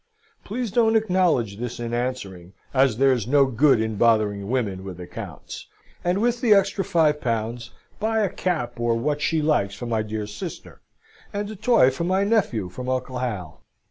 Please don't acknolledge this in answering; as there's no good in bothering women with accounts and with the extra 5 pounds by a capp or what she likes for my dear sister, and a toy for my nephew from Uncle Hal."